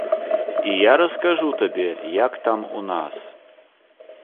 І я раскажу табе, як там у нас.